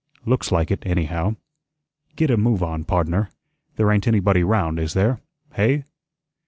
Looks like it, anyhow. GET a move on, pardner. There ain't anybody 'round, is there? Hey?"